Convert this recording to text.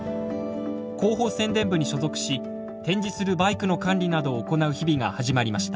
広報宣伝部に所属し展示するバイクの管理などを行う日々が始まりました。